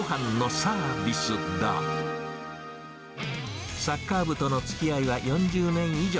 サッカー部とのつきあいは４０年以上。